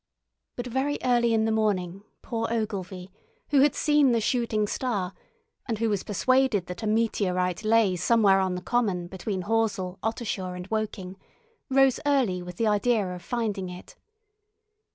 But very early in the morning poor Ogilvy, who had seen the shooting star and who was persuaded that a meteorite lay somewhere on the common between Horsell, Ottershaw, and Woking, rose early with the idea of finding it.